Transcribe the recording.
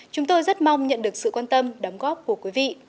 chúng tôi rất mong nhận được sự quan tâm đóng góp của quý vị